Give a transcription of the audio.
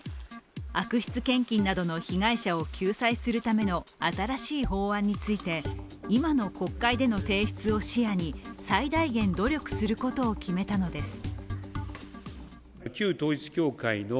悪質献金などの被害者を救済するための新しい法案について今の国会での提出を視野に最大限努力することを決めたのです。